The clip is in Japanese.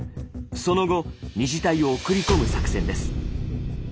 その後２次隊を送り込む作戦です。